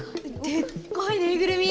でっかいぬいぐるみ。